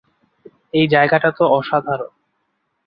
এই জায়গাটা তো অসাধারণ।